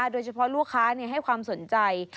โดยเฉพาะลูกค้าให้ความสนใจ